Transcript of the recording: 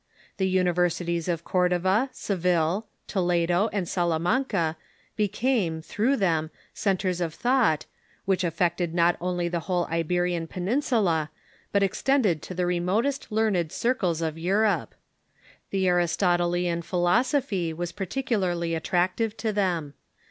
The universities of Cordova, Seville, Toledo, and Salamanca be came, through them, centres of thought, which affected not only the whole Iberian peninsula, but extended to the remotest learned circles of Europe. The Aristotelian philosophy was peculiarly attractive to them.